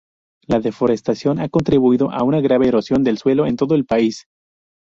La deforestación ha contribuido a una grave erosión del suelo en todo el país.